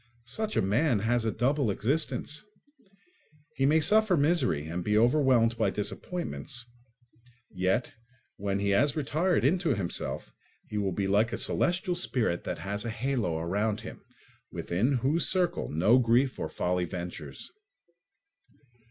Such a man has a double existence: he may suffer misery and be overwhelmed by disappointments, yet when he has retired into himself, he will be like a celestial spirit that has a halo around him, within whose circle no grief or folly ventures.